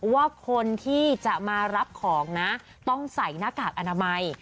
ว่าคนที่จะมารับของนะต้องใส่หน้ากากอนามัย